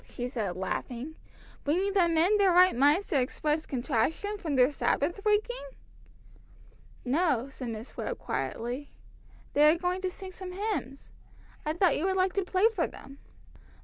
she said, laughing. "Bringing them in their right minds to express contrition for their Sabbath breaking?" "No," said Miss Webb quietly. "They are going to sing some hymns. I thought you would like to play for them."